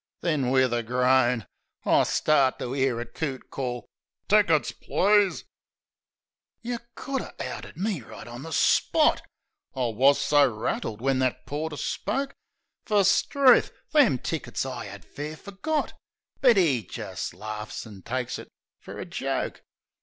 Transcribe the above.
. Then, wiv a groan I starts to 'ear a coot call, "Tickets, please!" 88 THE SENTIMENTAL BLOKE You could 'a' outed me right on the spot! I wus so rattled when that porter spoke. Fer, 'struth! them tickets I 'ad fair forgot! But 'e jist laughs, an' takes it fer a joke.